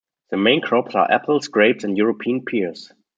The main crops are apples, grapes and European pears.